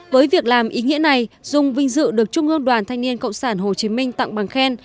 với việc làm ý nghĩa này dung vinh dự được trung ương đoàn thanh niên cộng sản hồ chí minh tặng bằng khen